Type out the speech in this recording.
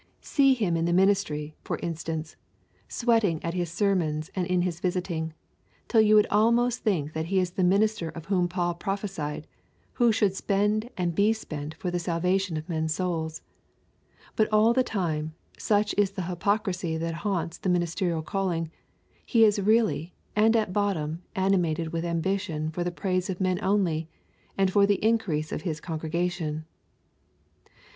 See him in the ministry, for instance, sweating at his sermons and in his visiting, till you would almost think that he is the minister of whom Paul prophesied, who should spend and be spent for the salvation of men's souls. But all the time, such is the hypocrisy that haunts the ministerial calling, he is really and at bottom animated with ambition for the praise of men only, and for the increase of his congregation.